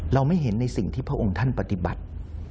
เราไม่เห็นในสิ่งที่พระองค์ท่านปฏิบัติ